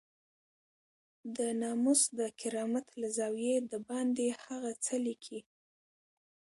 د ناموس د کرامت له زاويې دباندې هغه څه ليکي.